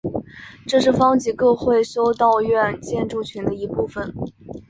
这是方济各会修道院建筑群的一部分。